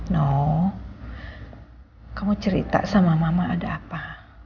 no kamu cerita sama mama ada apa